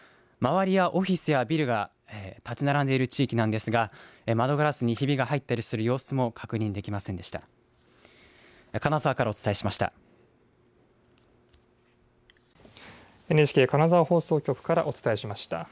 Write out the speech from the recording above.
周りやオフィスやビルが建ち並んでいる地域なんですが窓ガラスにひびが入ったりする様子も確認できませんでした。